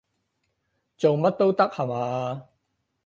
做乜都得下話？